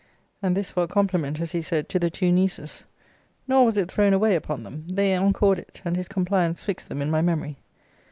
And this for a compliment, as he said, to the two nieces. Nor was it thrown away upon them. They encored it; and his compliance fixed them in my memory.